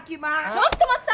ちょっとまった！